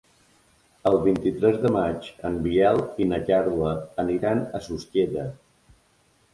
El vint-i-tres de maig en Biel i na Carla aniran a Susqueda.